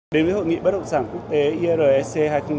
đến với hội nghị bất động sản quốc tế irec hai nghìn một mươi tám